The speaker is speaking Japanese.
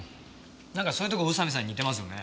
なんかそういうとこ宇佐見さんに似てますよね。